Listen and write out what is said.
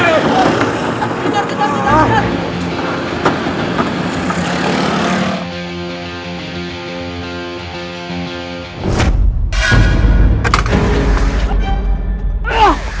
tidak tidak tidak